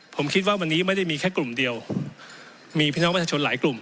ผมคิดว่าวันนี้ไม่ได้มีแค่กลุ่มเดียวมีพี่น้องประชาชนหลายกลุ่ม